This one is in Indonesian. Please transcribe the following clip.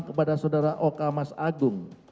kepada sodara okamas agung